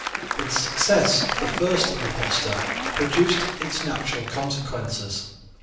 But the success of the first impostor produced its natural consequences.